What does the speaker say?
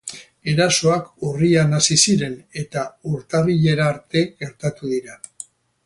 Erasoak urrian hasi ziren eta urtarrilera arte gertatu dira.